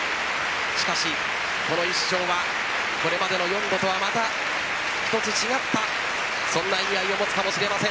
しかし、この１勝はこれまでの４度とはまた一つ違ったそんな意味合いを持つかもしれません。